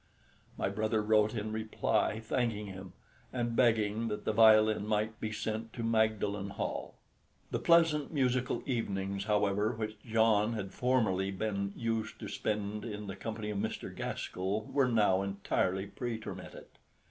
My brother wrote in reply thanking him, and begging that the violin might be sent to Magdalen Hall. The pleasant musical evenings, however, which John had formerly been used to spend in the company of Mr. Gaskell were now entirely pretermitted.